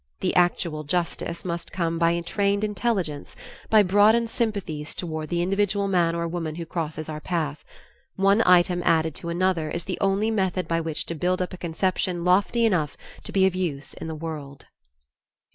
The actual Justice must come by trained intelligence, by broadened sympathies toward the individual man or woman who crosses our path; one item added to another is the only method by which to build up a conception lofty enough to be of use in the world."